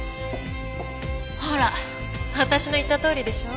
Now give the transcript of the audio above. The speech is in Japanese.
ほら私の言ったとおりでしょ。